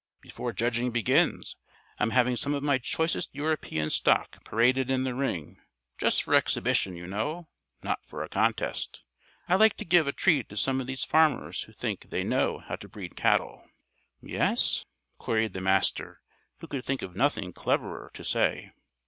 Before judging begins, I'm having some of my choicest European stock paraded in the ring. Just for exhibition, you know. Not for a contest. I like to give a treat to some of these farmers who think they know how to breed cattle." "Yes?" queried the Master, who could think of nothing cleverer to say.